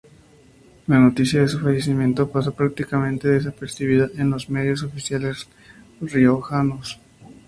La noticia de su fallecimiento pasó prácticamente desapercibida en los medios oficiales riojanos.